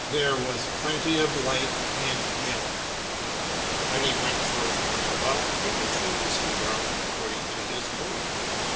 There was plenty of light and air. When he went for his morning walk he could choose his route according to his mood.